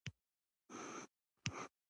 ويته خوله بی شرمه شرګی، لکه مچ هر څه کی لويږی